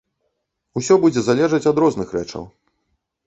Усё будзе залежаць ад розных рэчаў.